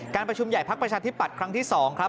การประชุมใหญ่ภักดิ์ประชาธิบัตรครั้งที่๒ครับ